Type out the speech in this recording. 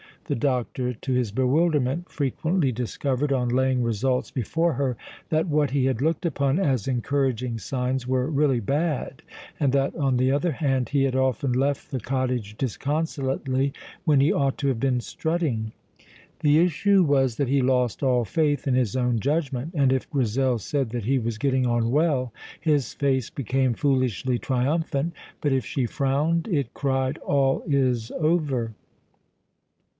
The doctor, to his bewilderment, frequently discovered, on laying results before her, that what he had looked upon as encouraging signs were really bad, and that, on the other hand, he had often left the cottage disconsolately when he ought to have been strutting. The issue was that he lost all faith in his own judgment, and if Grizel said that he was getting on well, his face became foolishly triumphant, but if she frowned, it cried, "All is over!"